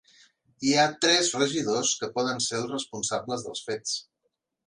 Hi ha tres regidors que poden ser els responsables dels fets.